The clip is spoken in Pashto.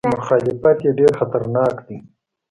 مخالفت یې ډېر خطرناک دی.